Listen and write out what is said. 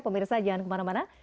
pemirsa jangan kemana mana